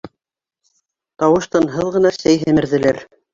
Тауыш-тынһыҙ ғына сәй һемерҙеләр.